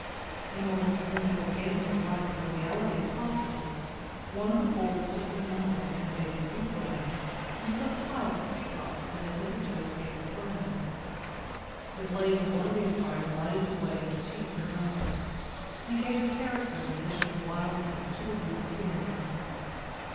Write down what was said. In order to render their games as like the reality as possible, one of the boldest of their number had conveyed a few brands into some piles of tree tops that had hitherto escaped the burning. The blaze of one of these fires lighted the way of the chief and Duncan, and gave a character of additional wildness to the rude scenery.